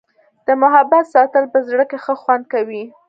د محبت ساتل په زړه کي ښه خوند کوي.